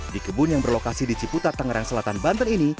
di kebun yang berlokasi di ciputat tangerang selatan banten ini